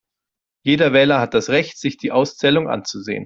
Jeder Wähler hat das Recht, sich die Auszählung anzusehen.